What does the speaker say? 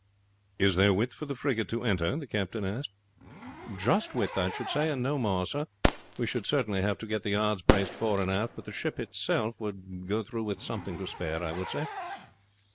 "Is there width for the frigate to enter?" the captain asked. "Just width, I should say, and no more, sir. We should certainly have to get the yards braced fore and aft, but the ship herself would go through with something to spare, I should say."